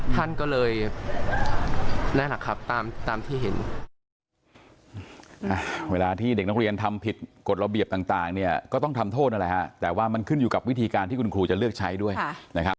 ท่านก็เลยนั่นแหละครับตามที่เห็น